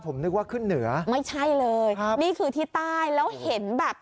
ผมนึกว่าขึ้นเหนือไม่ใช่เลยครับนี่คือที่ใต้แล้วเห็นแบบ